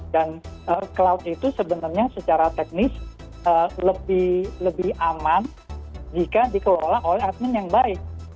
dan cloud itu sebenarnya secara teknis lebih aman jika dikelola oleh admin yang baik